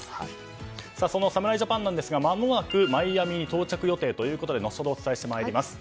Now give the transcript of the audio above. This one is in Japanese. その侍ジャパンですがまもなくマイアミに到着予定ということで後ほどお伝えしてまいります。